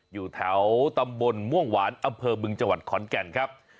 อยู่แถวตำบลม่วงหวานอำเภอบึงจังหวัดขอนแก่นครับ